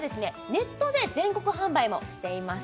ネットで全国販売もしています